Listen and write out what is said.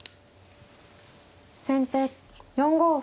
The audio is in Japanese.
先手４五歩。